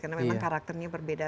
karena memang karakternya berbeda